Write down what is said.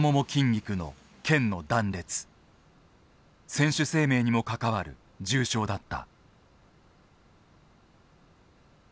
選手生命にも関わる重傷だった。